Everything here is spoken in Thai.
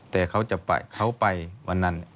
แต่เขาจะไปเขาไปวันนั้น